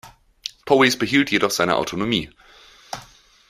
Powys behielt jedoch seine Autonomie.